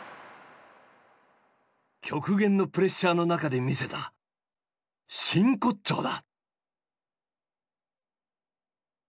極限のプレッシャーの中で見せた真骨頂だ。